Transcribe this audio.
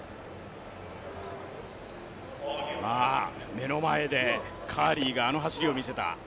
目の前でカーリーがあの走りを見せた。